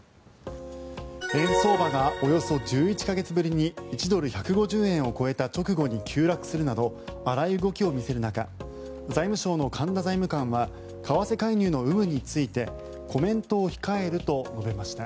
円相場がおよそ１１か月ぶりに１ドル＝１５０円を超えた直後に急落するなど荒い動きを見せる中財務省の神田財務官は為替介入の有無についてコメントを控えると述べました。